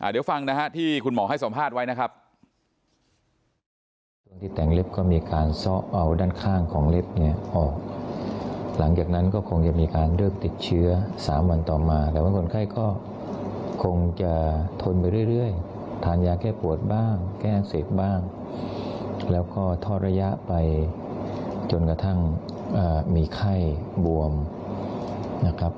เดี๋ยวฟังนะฮะที่คุณหมอให้สัมภาษณ์ไว้นะครับ